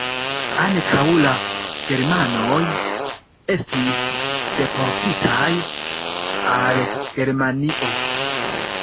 Ankaŭ la germanoj estis deportitaj al Germanio.